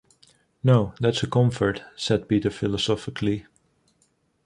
"No, that's a comfort," said Peter philosophically.